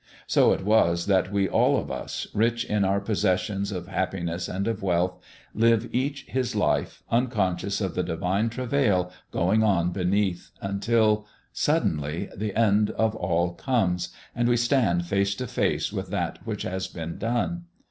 So it is that we all of us, rich in our possessions of happiness and of wealth, live each his life, unconscious of the divine travail going on beneath until suddenly the end of all comes and we stand face to face with that which has been done.